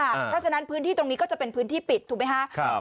เพราะฉะนั้นพื้นที่ตรงนี้ก็จะเป็นพื้นที่ปิดถูกไหมคะ